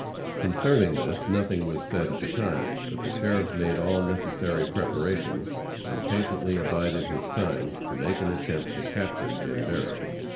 Concerning this nothing was said at the time, but the sheriff made all necessary preparations, and patiently abided his time to make an attempt to capture Jim Berry.